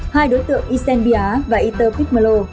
hai đối tượng ysen bia và yter pichmelo